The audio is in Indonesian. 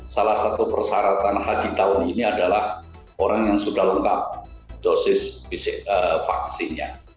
salah satu persyaratan haji tahun ini adalah orang yang sudah lengkap dosis vaksinnya